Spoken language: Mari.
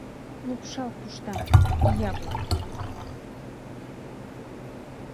Лупшал пуштам, ия-влак!»